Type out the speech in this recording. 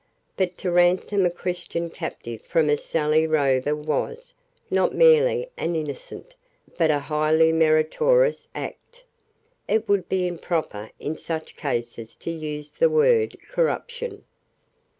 But to ransom a Christian captive from a Sallee rover was, not merely an innocent, but a highly meritorious act. It would be improper in such cases to use the word corruption.